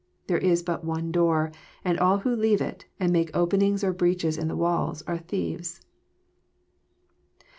There is bat one Door, and all who leave it, and make openings or breaches in the walls, are thieves.